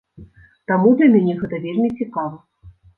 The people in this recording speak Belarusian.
Таму для мяне гэта вельмі цікава.